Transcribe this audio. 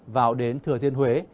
vào đến thừa thiên huế